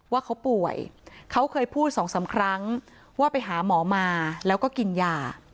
ว่าเขาป่วยเขาเคยพูดสองสามครั้งว่าไปหาหมอมาแล้วก็กินยา